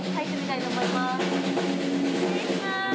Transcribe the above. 失礼します。